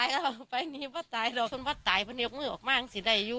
เอาผลทางด้วย